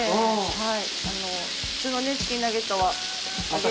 はい。